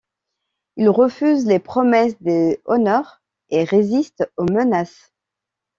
Il refuse les promesses des honneurs et résiste aux menaces.